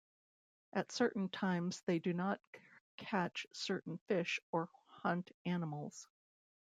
At certain times they do not catch certain fish or hunt animals.